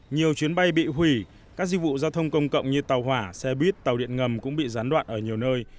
nhiều chuyến bay bị hủy các dịch vụ giao thông công cộng như tàu hỏa xe buýt tàu điện ngầm cũng bị gián đoạn ở nhiều nơi